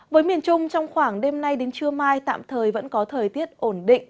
với miền trung trong khoảng đêm nay đến trưa mai tạm thời vẫn có thời tiết ổn định